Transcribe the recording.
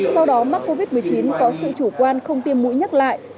sau đó mắc covid một mươi chín có sự chủ quan không tiêm mũi nhắc lại